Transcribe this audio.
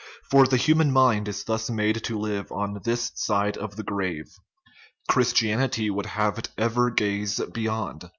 For the human mind is thus made to live on this side of the grave ; Christianity w r ould have it ever gaze beyond.